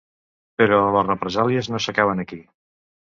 Però les represàlies no s’acaben aquí.